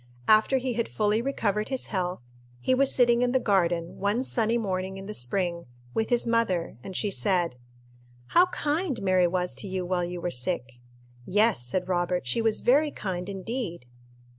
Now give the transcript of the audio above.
After he had fully recovered his health, he was sitting in the garden, one sunny morning in the spring, with his mother, and she said, "How kind Mary was to you while you were sick!" "Yes," said Robert, "she was very kind indeed."